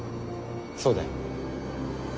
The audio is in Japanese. そうだよ。